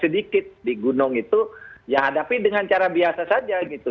sedikit di gunung itu ya hadapi dengan cara biasa saja gitu